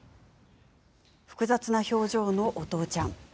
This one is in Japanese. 複雑な表情のお父ちゃん。